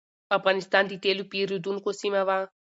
افغانستان د تېلو پېرودونکو سیمه وه.